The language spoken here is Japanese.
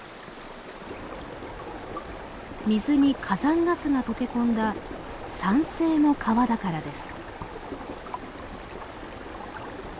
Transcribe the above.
水に火山ガスが溶け込んだ酸性の川だからです。